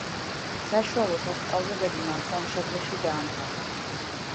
საშუალო სასწავლებელი მან სამშობლოში დაამთავრა.